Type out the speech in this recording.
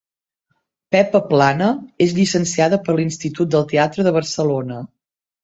Pepa Plana és llicenciada per l'Institut del Teatre de Barcelona.